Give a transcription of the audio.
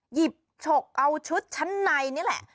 หยิบฉกเอาชุดชั้นในนี่แหละ